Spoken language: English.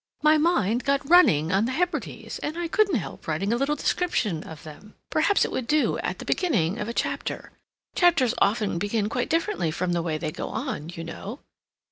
"My mind got running on the Hebrides, and I couldn't help writing a little description of them. Perhaps it would do at the beginning of a chapter. Chapters often begin quite differently from the way they go on, you know."